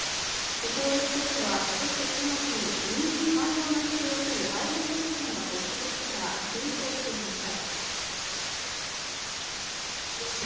不法越境者は今年１月に移民に寛容な姿勢をとるバイデン政権が発足してから急増していました。